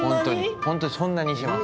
ほんとにそんなにします。